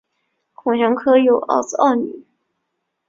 孔祥柯有二子二女